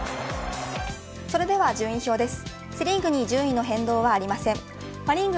それでは順位表です。